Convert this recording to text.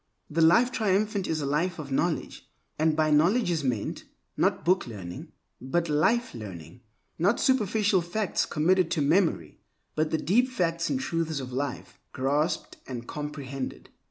The Life Triumphant is a life of knowledge; and by knowledge is meant, not booklearning, but life learning; not superficial facts committed to memory, but the deep facts and truths of life, grasped and comprehended.